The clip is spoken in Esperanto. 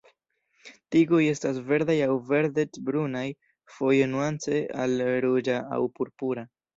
Tigoj estas verdaj aŭ verdec-brunaj, foje nuance al ruĝa aŭ purpura.